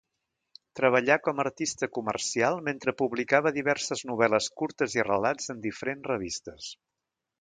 Treballà com a artista comercial mentre publicava diverses novel·les curtes i relats en diferents revistes.